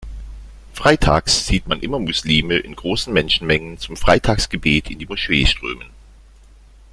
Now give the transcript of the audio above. Freitags sieht man immer Muslime in großen Menschenmengen zum Freitagsgebet in die Moschee strömen.